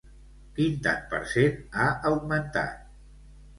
Quin tant per cent ha augmentat?